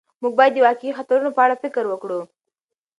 موږ باید د واقعي خطرونو په اړه فکر وکړو.